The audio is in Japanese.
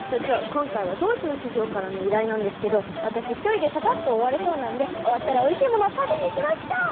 今回はドイツの企業からの依頼なんですけど私一人でささっと終われそうなんで終わったらおいしいものを食べに行きましょう！